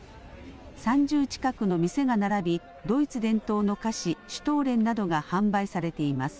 ３０近くの店が並びドイツ伝統の菓子、シュトーレンなどが販売されています。